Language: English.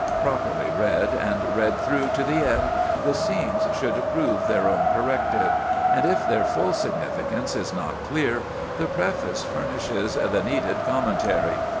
Properly read, and read through to the end, the "Scenes" should prove their own corrective; and if their full significance is not clear, the preface furnishes the needed commentary.